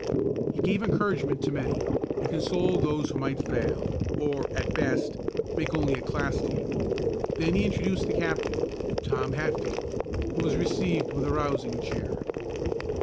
He gave encouragement to many, and consoled those who might fail, or, at best, make only a class team. Then he introduced the captain Tom Hatfield who was received with a rousing cheer.